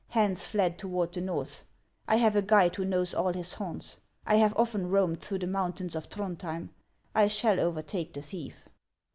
Hans fled toward the north. I have a guide who knows all his haunts. I have often roamed through the mountains of Throndhjem. I shall overtake the thief."